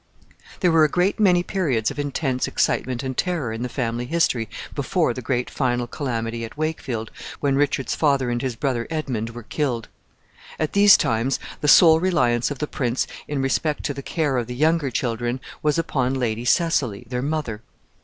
There were a great many periods of intense excitement and terror in the family history before the great final calamity at Wakefield when Richard's father and his brother Edmund were killed. At these times the sole reliance of the prince in respect to the care of the younger children was upon Lady Cecily, their mother.